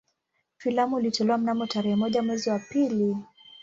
Filamu ilitolewa mnamo tarehe moja mwezi wa pili